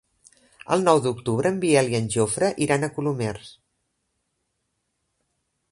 El nou d'octubre en Biel i en Jofre iran a Colomers.